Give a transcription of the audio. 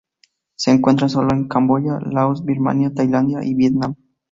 Se encuentra sólo en Camboya, Laos, Birmania, Tailandia, y Vietnam.